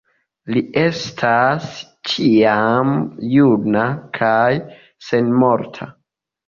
Li estas ĉiam juna kaj senmorta.